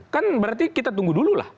kan berarti kita tunggu dulu lah